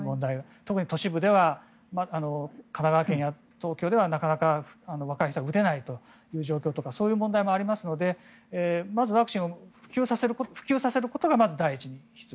特に都市部では神奈川県や東京ではなかなか、若い人は打てないという状況とかそういう問題もありますのでまず、ワクチンを普及させることがまず第一に必要。